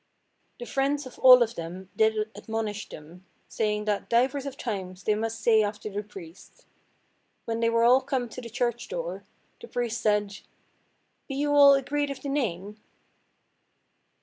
The friends of all of them did admonish them, saying, that divers of times they must say after the priest. When they were all come to the church–door, the priest said— "Be you all agreed of the name?"